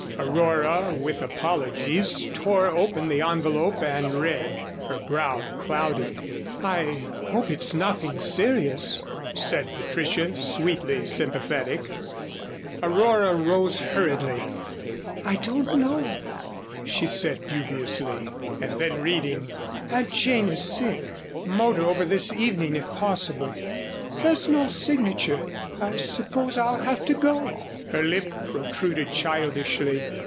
Aurora with apologies tore open the envelope and read, her brow clouding. "I hope it's nothing serious," said Patricia, sweetly sympathetic. Aurora rose hurriedly. "I don't know," she said dubiously, and then reading: "'Aunt Jane sick, motor over this evening if possible.' There's no signature. I suppose I'll have to go." Her lip protruded childishly.